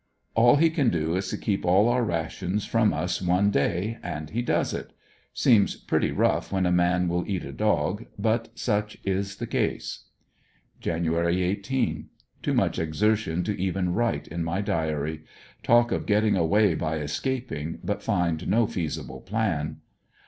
All he can do is to keep all our rations from us one day, and he does it. Seems pretty rough w^hen a man will eat a dog, but such is the case. 26 ANDER80NVILLE DIARY. Jan. 18. — Too much exertion to even write in ray diary. Talk of getting away by escaping, but find no feasible plan.